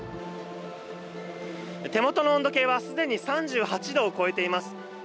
手元の温度計は既に３８度を超えています。